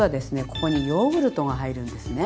ここにヨーグルトが入るんですね。